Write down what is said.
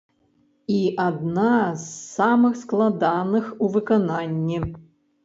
І адна з самых складаных у выкананні.